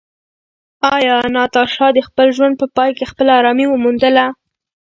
ایا ناتاشا د خپل ژوند په پای کې خپله ارامي وموندله؟